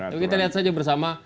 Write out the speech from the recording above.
yuk kita lihat saja bersama